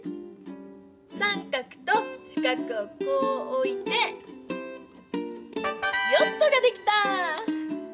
三角と四角をこうおいて「ヨット」ができた！